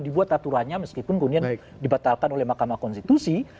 dikurangnya meskipun kemudian dibatalkan oleh mahkamah konstitusi